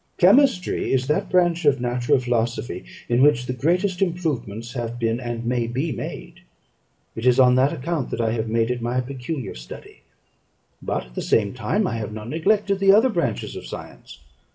Chemistry is that branch of natural philosophy in which the greatest improvements have been and may be made: it is on that account that I have made it my peculiar study; but at the same time I have not neglected the other branches of science.